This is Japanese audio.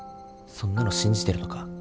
そんなの信じてるのか？